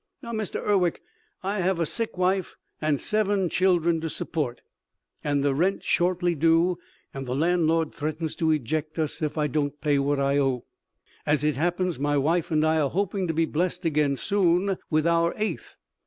Now Mr. Urwick I have a sick wife and seven children to support, and the rent shortly due and the landlord threatens to eject us if I don't pay what I owe. As it happens my wife and I are hoping to be blessed again soon, with our eighth.